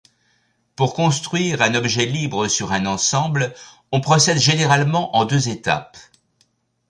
Pour construire un objet libre sur un ensemble, on procède généralement en deux étapes.